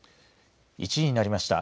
１時になりました。